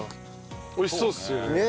美味しそうっすよね。